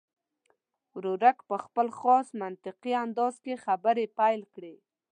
ورورک په خپل خاص منطقي انداز کې خبرې پیل کړې.